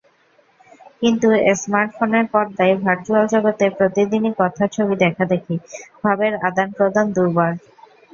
কিন্তু স্মার্টফোনের পর্দায় ভার্চ্যুয়াল জগতে প্রতিদিনই কথা, ছবি দেখাদেখি—ভাবের আদান-প্রদান দুর্বার।